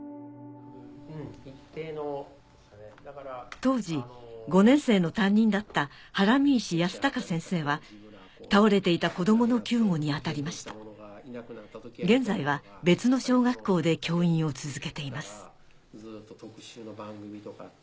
当時５年生の担任だった孕石泰孝先生は倒れていた子どもの救護に当たりました現在は別の小学校で教員を続けています